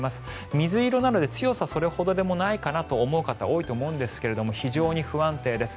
水色なので強さはそれほどでもないかなと思う方多いと思うんですけれど非常に不安定です。